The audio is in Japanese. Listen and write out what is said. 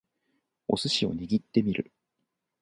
お寿司を握ってみる